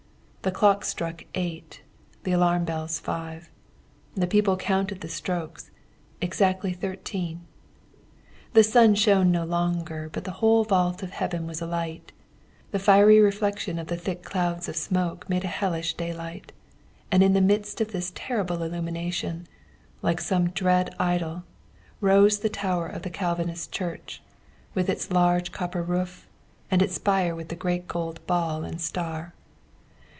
The clock struck eight, the alarm bells five. The people counted the strokes: exactly thirteen. The sun shone no longer, but the whole vault of heaven was alight; the fiery reflection of the thick clouds of smoke made a hellish daylight, and in the midst of this terrible illumination, like some dread idol, rose the tower of the Calvinist church, with its large copper roof, and its spire with the great gold ball and star.